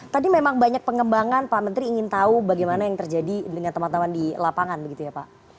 tadi memang banyak pengembangan pak menteri ingin tahu bagaimana yang terjadi dengan teman teman di lapangan begitu ya pak